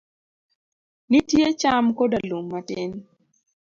Nitie cham koda lum matin.